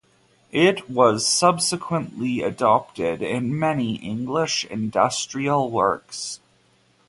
It was subsequently adopted in many English industrial works.